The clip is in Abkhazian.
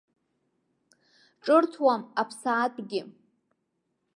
Ҿырҭуам аԥсаатәгьы.